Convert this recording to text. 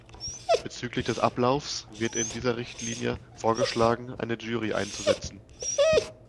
Bezüglich des Ablaufs wird in der Richtlinie vorgeschlagen, eine Jury einzusetzen.